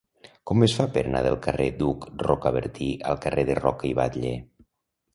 Com es fa per anar del carrer d'Hug de Rocabertí al carrer de Roca i Batlle?